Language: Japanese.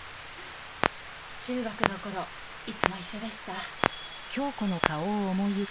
中学の頃いつも一緒でした。